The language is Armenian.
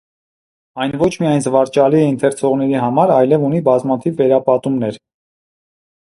Այն ոչ միայն զվարճալի է ընթերցողների համար, այլև ունի բազմաթիվ վերապատումներ։